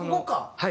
はい。